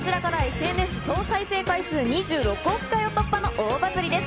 ＳＮＳ総再生回数２６億回を突破の大バズりです。